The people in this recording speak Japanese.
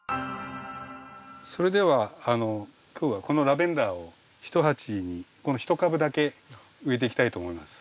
それでは今日はこのラベンダーを１鉢にこの１株だけ植えていきたいと思います。